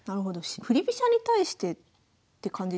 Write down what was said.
振り飛車に対してって感じでいいですか？